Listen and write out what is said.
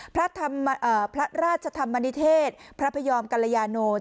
พระราชธรรมนิเทศพระพยอมกัลยาโน